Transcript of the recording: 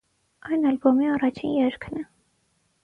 Այն ալբոմի առաջին երգն է։